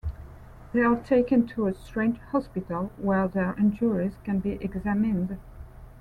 They are taken to a strange hospital where their injuries can be examined.